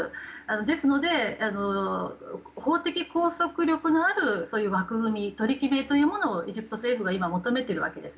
ですので法的拘束力のある枠組み取り決めというものをエジプト政府は求めているわけです。